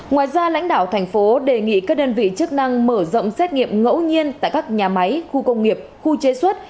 ngoài ra lãnh đạo thành phố đề nghị các đơn vị chức năng mở rộng xét nghiệm ngẫu nhiên tại các nhà máy khu công nghiệp khu chế xuất